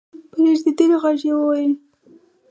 په رېږدېدلې غږ يې وويل: